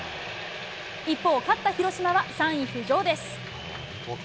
一方、勝った広島は３位浮上です。